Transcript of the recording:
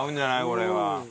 これは。